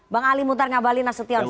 bang ali mutarnya bali nasution